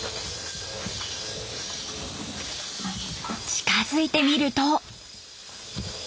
近づいてみると。